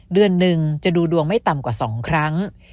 เดือนหนึ่งจะดูดวงไม่ต่ำกว่า๒ครั้ง